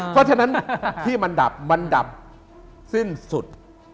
เพราะฉะนั้นที่มันดับมันดับสิ้นสุด